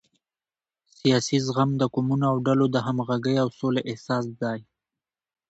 سیاسي زغم د قومونو او ډلو د همغږۍ او سولې اساس دی